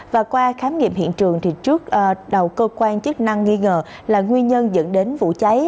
và qua khám nghiệm hiện trường trước đầu cơ quan chức năng nghi ngờ là nguyên nhân dẫn đến vụ cháy